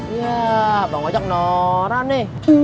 iya bang ajak nora nih